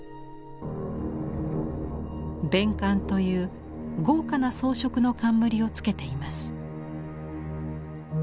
冕冠という豪華な装飾の冠をつけています。